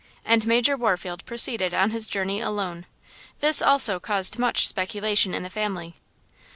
And Major Warfield proceeded on his journey alone. This also caused much speculation in the family.